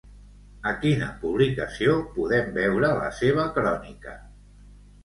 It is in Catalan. A quina publicació podem veure la seva crònica?